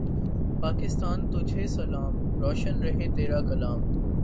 پاکستان تجھے سلام۔ روشن رہے تیرا کلام